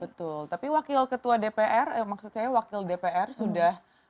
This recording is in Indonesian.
betul tapi wakil ketua dpr maksud saya wakil dpr sudah